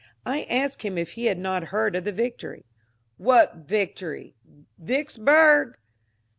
I asked him if he had not heard of the victory. "What victory? Vicksburg?"